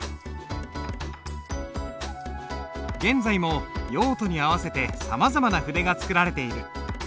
現在も用途に合わせてさまざまな筆が作られている。